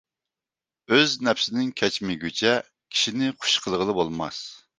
ئۆز نەپسىدىن كەچمىگۈچە، كىشىنى خۇش قىلغىلى بولماس.